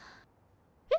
えっ？